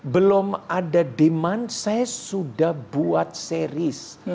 belum ada demand saya sudah buat series